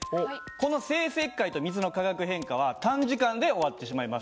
この生石灰と水の化学変化は短時間で終わってしまいます。